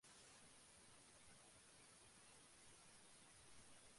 কিন্তু তোমরা in between থেকে কয়েনটা নিতে পারবে।